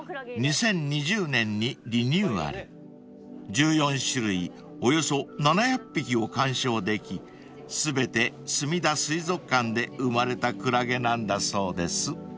［１４種類およそ７００匹を鑑賞でき全てすみだ水族館で生まれたクラゲなんだそうです］